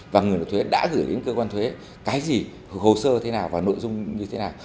và người nộp thuế đã gửi đến cơ quan thuế cái gì hồ sơ thế nào và nội dung như thế nào